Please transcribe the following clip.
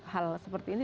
hal seperti ini